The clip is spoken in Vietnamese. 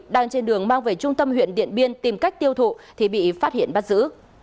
đang trên đường mang về trung tâm huyện điện biên tìm cách tiêu thụ thì bị phát hiện bắt giữ